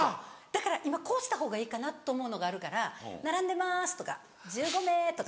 だから今こうしたほうがいいかなと思うのがあるから「並んでます」とか「１５名」とか。